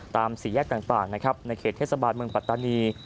ตามสี่แยกต่างในเขตเทศบาลเมืองปัตตานี